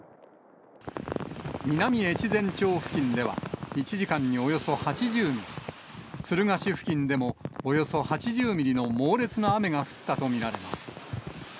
南越前町付近では、１時間におよそ８０ミリ、敦賀市付近でもおよそ８０ミリの猛烈な雨が降ったと見られます。